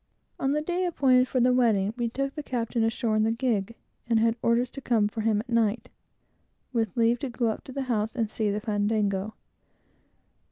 On the day appointed for the wedding, we took the captain ashore in the gig, and had orders to come for him at night, with leave to go up to the house and see the fandango.